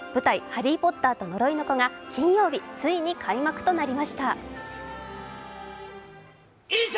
「ハリーポッターと呪いの子」が金曜日、ついに開幕となりました。